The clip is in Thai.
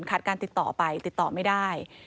การติดต่อไปติดต่อไม่ได้